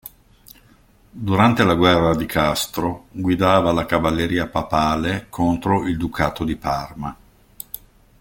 Durante la guerra di Castro guidava la cavalleria papale contro il ducato di Parma.